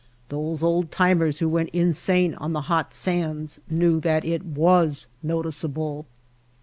Those old timers who went insane on the hot sands knew that it was noticeable.